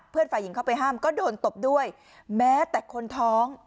ฝ่ายหญิงเข้าไปห้ามก็โดนตบด้วยแม้แต่คนท้อง